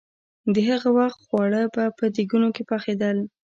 د هغه وخت خواړه به په دېګونو کې پخېدل.